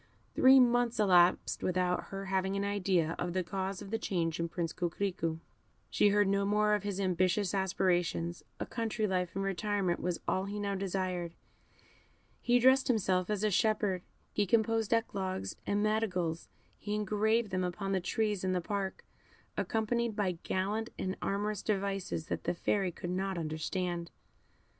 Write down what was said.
Three months elapsed without her having an idea of the cause of the change in Prince Coquerico; she heard no more of his ambitious aspirations; a country life and retirement was all he now desired; he dressed himself as a shepherd; he composed eclogues and madrigals; he engraved them upon the trees in the park, accompanied by gallant and amorous devices that the Fairy could not understand.